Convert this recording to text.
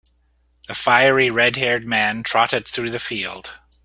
The fiery red-haired man trotted through the field.